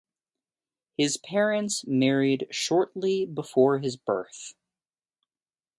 His parents married shortly before his birth.